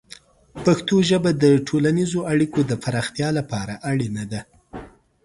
پښتو ژبه د ټولنیزو اړیکو د پراختیا لپاره اړینه ده.